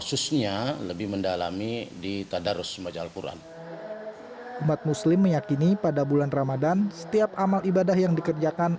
umat muslim meyakini pada bulan ramadan setiap amal ibadah yang dikerjakan